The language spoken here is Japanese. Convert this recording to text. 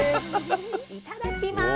いただきます。